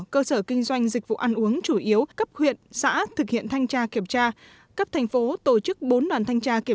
còn rất thấp so với cùng kỳ